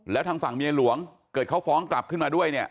แล้วทางฝั่งเมียหลวงเกิดเขาฟ้องกลับขึ้นมาด้วยเนี่ย